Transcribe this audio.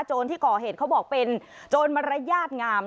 ที่ก่อเหตุเขาบอกเป็นโจรมารยาทงาม